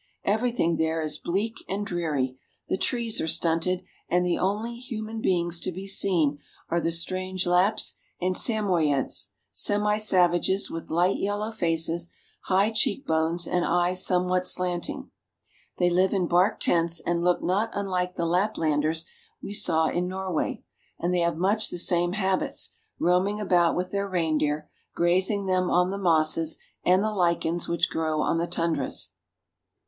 Everything there is bleak and dreary, the trees are stunted, and the only human beings to be seen — live in bark tents." 316 RUSSIA. are the strange Lapps and Samoyedes, semisavages with light yellow faces, high cheek bones and eyes somewhat slanting. They live in bark tents and look not unlike the Laplanders we saw in Norway, and they have much the same habits, roaming about with their reindeer, grazing them on the mosses and the lichens which grow on the tundras.